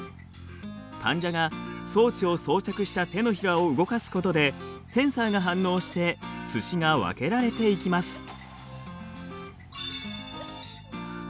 患者が装置を装着した手のひらを動かすことでセンサーが反応してすしが分けられていきます。